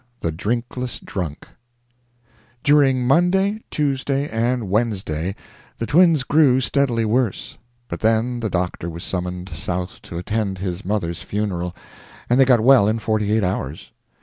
THE DRINKLESS DRUNK During Monday, Tuesday, and Wednesday the twins grew steadily worse; but then the doctor was summoned South to attend his mother's funeral, and they got well in forty eight hours.